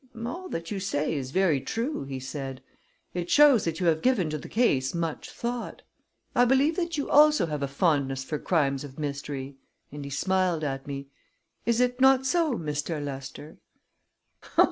"All that you say is ver' true," he said. "It shows that you have given to the case much thought. I believe that you also have a fondness for crimes of mystery," and he smiled at me. "Is it not so, Mistair Lester?"